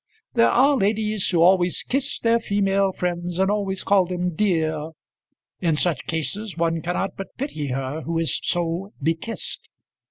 There are ladies who always kiss their female friends, and always call them "dear." In such cases one cannot but pity her who is so bekissed.